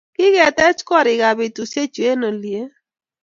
kikitech koriikab betushechu eng' olie